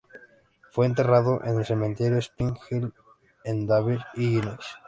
Fue enterrado en el Cementerio Spring Hill de Danville, Illinois.